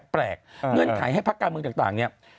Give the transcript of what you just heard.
แปลกเงื่อนไขให้ภักดิ์กาเมืองต่างเนี่ย